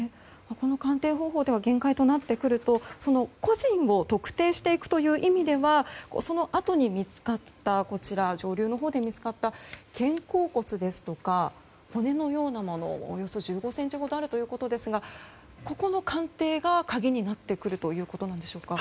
この鑑定方法では限界となってくると個人を特定していくという意味ではその後に上流で見つかった肩甲骨ですとか骨のようなものおよそ１５ｃｍほどあるということですがこの鑑定が鍵になってくるということなんでしょうか。